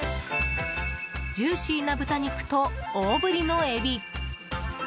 ジューシーな豚肉と大ぶりのエビ。